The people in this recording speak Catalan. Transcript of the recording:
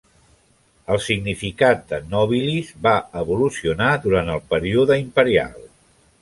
El significat de "nobilis" va evolucionar durant el període imperial.